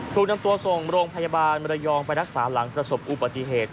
ถูกนำตัวส่งโรงพยาบาลมรยองไปรักษาหลังประสบอุบัติเหตุ